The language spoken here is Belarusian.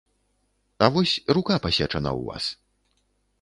А вось рука пасечана ў вас.